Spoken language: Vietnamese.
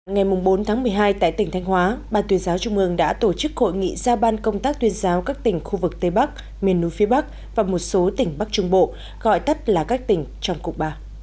ngày bốn tháng một mươi hai tại tỉnh thanh hóa ban tuyên giáo trung ương đã tổ chức hội nghị ra ban công tác tuyên giáo các tỉnh khu vực tây bắc miền núi phía bắc và một số tỉnh bắc trung bộ gọi tắt là các tỉnh trong cục ba